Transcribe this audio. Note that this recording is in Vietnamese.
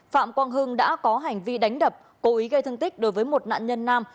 phạm quang hưng đã có hành vi đánh đập cố ý gây thương tích đối với một nạn nhân nam